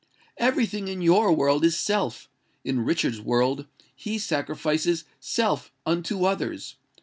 Every thing in your world is SELF: in Richard's world he sacrifices SELF unto others.